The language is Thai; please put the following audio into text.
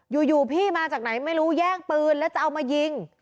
อยู่พี่มาจากไหนไม่รู้แย่งปืนแล้วจะเอามายิง